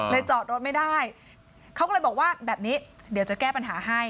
จอดรถไม่ได้เขาก็เลยบอกว่าแบบนี้เดี๋ยวจะแก้ปัญหาให้